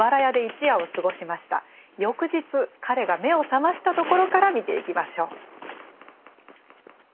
翌日彼が目を覚ましたところから見ていきましょう。